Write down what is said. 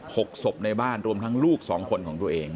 หกศพในบ้านรวมทั้งลูกสองคนของตัวเอง